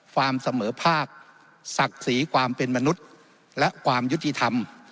เสมอภาคศักดิ์ศรีความเป็นมนุษย์และความยุติธรรม